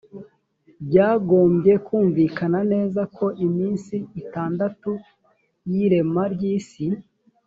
byagombye kumvikana neza ko iminsi itandatu y’irema ry’isi